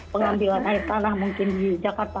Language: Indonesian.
pengambilan air tanah mungkin di jakarta